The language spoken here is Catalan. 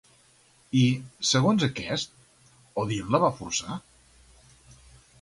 I, segons aquest, Odin la va forçar?